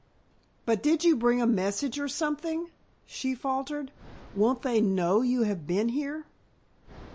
"But, did you bring a message or something?" she faltered. "Won't they know you have been here?"